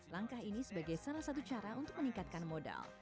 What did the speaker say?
langkah ini sebagai salah satu cara untuk meningkatkan modal